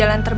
ya pak haji